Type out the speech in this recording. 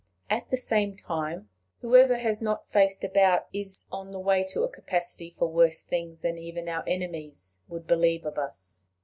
At the same time, whoever has not faced about is on the way to a capacity for worse things than even our enemies would believe of us.